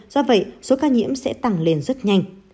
do vậy số ca nhiễm sẽ tăng lên rất nhanh